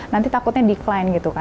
nanti takutnya decline gitu kan